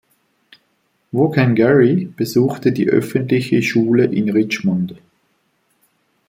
Vaughan Gary besuchte die öffentliche Schule in Richmond.